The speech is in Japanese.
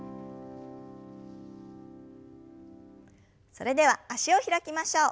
それでは脚を開きましょう。